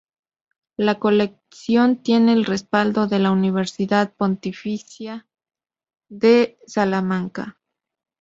La colección tiene el respaldo de la Universidad Pontificia de Salamanca.